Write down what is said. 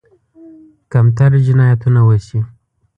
کمتر جنایتونه وشي.